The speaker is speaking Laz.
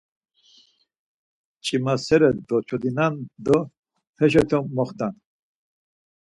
Mç̌imasere, doçodinan do hişote moxt̆an.